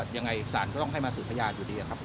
ยังไงศาลก็ต้องให้มาสืบพยานอยู่ดีครับ